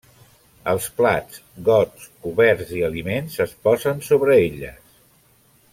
Els plats, gots, coberts i aliments es posen sobre elles.